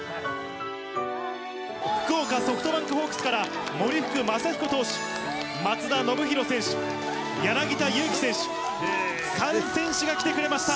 福岡ソフトバンクホークスから、もりふくまさひこ投手、松田宣浩選手、柳田悠岐選手、３選手が来てくれました。